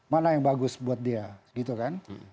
mana yang bagus buat dia gitu kan